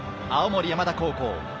青森山田高校。